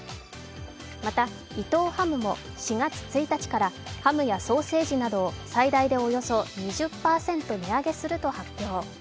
また、伊藤ハムも、４月１日からハムやソーセージなど最大でおよそ２０％値上げすると発表。